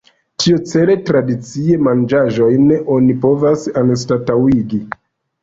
Tiucele, tradiciajn manĝaĵojn oni povas anstataŭigi.